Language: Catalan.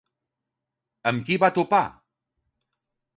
Amb qui va topar?